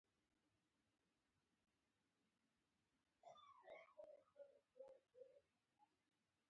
بهر د چاودنو غږونه اورېدل کېدل خو موږ په بله نړۍ کې وو